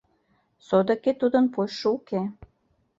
Содыки тудын почшо уке.